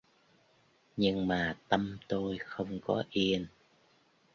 Nhưng mà tâm tôi không có yên